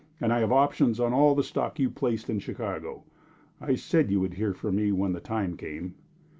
"And I have options on all the stock you placed in Chicago. I said you would hear from me when the time came."